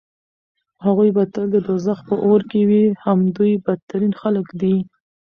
هغوی به تل د دوزخ په اور کې وي همدوی بدترين خلک دي